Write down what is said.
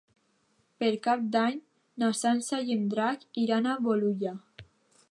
Per Cap d'Any na Sança i en Drac iran a Bolulla.